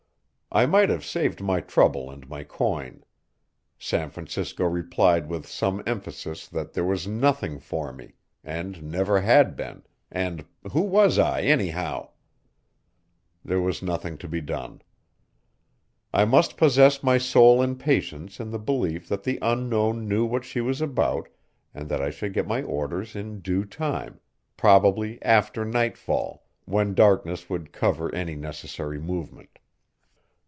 I might have saved my trouble and my coin. San Francisco replied with some emphasis that there was nothing for me, and never had been, and who was I, anyhow? There was nothing to be done. I must possess my soul in patience in the belief that the Unknown knew what she was about and that I should get my orders in due time probably after nightfall, when darkness would cover any necessary movement.